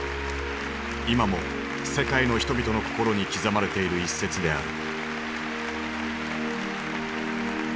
今も世界の人々の心に刻まれている一節である。